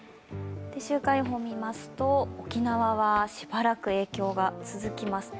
週間予報を見ますと、沖縄はしばらく影響が続きます。